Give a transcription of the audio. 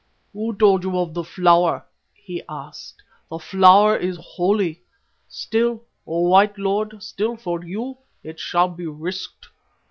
"'Who told you of the Flower?' he asked. 'The Flower is holy. Still, O White Lord, still for you it shall be risked.